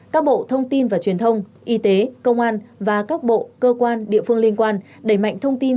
các bộ thông tin và truyền thông y tế công an và các bộ cơ quan địa phương liên quan đẩy mạnh thông tin